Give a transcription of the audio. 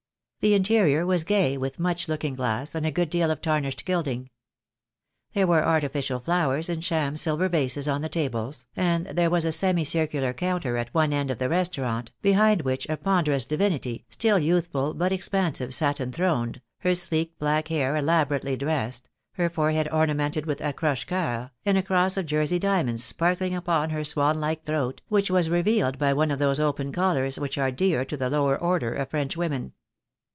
The interior was gay with much looking glass, and a good deal of tarnished gilding. There were artificial flowers in sham silver vases on the tables, and there was a semi circular counter at one end of the restaurant, behind which a ponderous divinity, still youth ful, but expansive, sat enthroned, her sleek, black hair elaborately dressed, her forehead ornamented with ac croche cceurs , and a cross of Jersey diamonds sparkling upon her swan like throat, which was revealed by one of those open collars which are dear to the lower order of French women.